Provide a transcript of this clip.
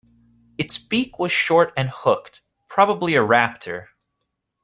Its beak was short and hooked – probably a raptor.